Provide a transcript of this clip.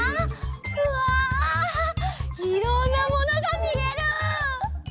うわいろんなものがみえる！